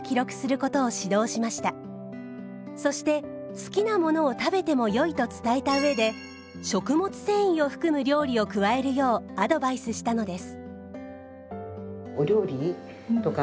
そして好きなものを食べてもよいと伝えた上で食物繊維を含む料理を加えるようアドバイスしたのです。